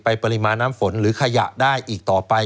ปริมาณน้ำฝนหรือขยะได้อีกต่อไป